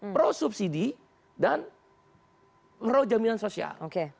pro subsidi dan pro jaminan sosial